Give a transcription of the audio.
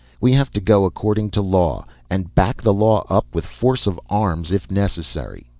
We have to go according to law. And back the law up with force of arms if necessary."